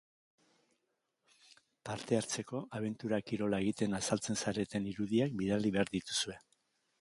Parte hartzeko, abentura-kirola egiten azaltzen zareten irudiak bidali behar dituzue.